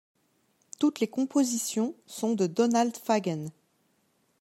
Toutes les compositions sont de Donald Fagen.